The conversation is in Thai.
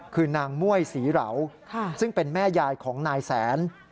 คือนางม่วยศรีเหลาซึ่งเป็นแม่ยายของนายแสน